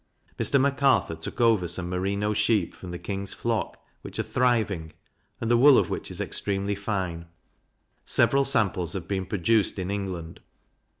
Mr. Mac Arthur took over some Merino sheep, from the King's flock, which are thriving, and the wool of which is extremely fine; several samples have been produced in England.